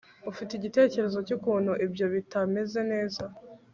ufite igitekerezo cyukuntu ibyo bitameze neza